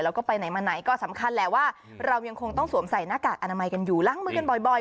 แล้วก็ไปไหนมาไหนก็สำคัญแหละว่าเรายังคงต้องสวมใส่หน้ากากอนามัยกันอยู่ล้างมือกันบ่อย